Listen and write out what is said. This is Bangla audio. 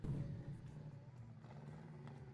আমায় ডাকার জন্য ধন্যবাদ, বন্ধু।